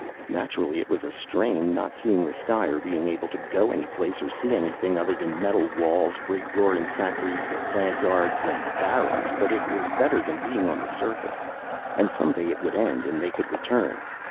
Naturally it was a strain, not seeing the sky or being able to go any place or see anything other than metal walls, great roaring factories, the plant yards, barracks. But it was better than being on surface. And some day it would end and they could return.